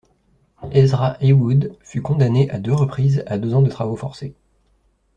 Ezra Heywood fut condamné à deux reprises à deux ans de travaux forcés.